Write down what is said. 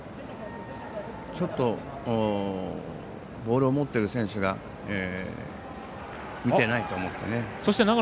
ちょっとボールを持ってる選手が見てないと思ってね。